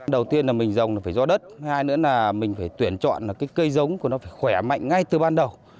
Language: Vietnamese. đầu tiên là mình dòng phải do đất hai nữa là mình phải tuyển chọn cây giống của nó phải khỏe mạnh ngay từ ban đầu